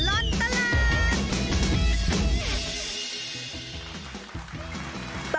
ชั่วตลอดตลาด